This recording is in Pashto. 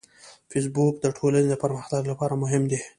فېسبوک د ټولنې د پرمختګ لپاره مهم دی